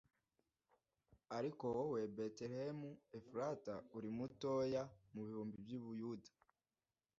Ariko wowe, Betelehemu Efurata, uri mutoya mu bihumbi by’i Buyuda